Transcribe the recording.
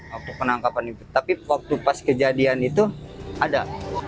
waktu penangkapan itu tapi waktu pas kejadian itu ada